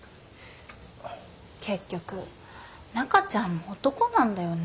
結局中ちゃんも男なんだよね。